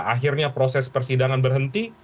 akhirnya proses persidangan berhenti